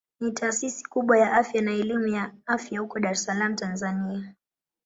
Ni taasisi kubwa ya afya na elimu ya afya huko Dar es Salaam Tanzania.